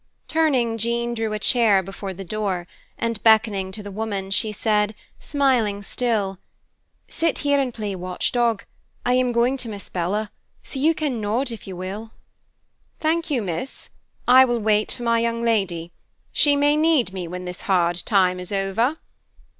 Turning, Jean drew a chair before the door, and, beckoning to the woman, she said, smiling still, "Sit here and play watchdog. I am going to Miss Bella, so you can nod if you will." "Thank you, miss. I will wait for my young lady. She may need me when this hard time is over."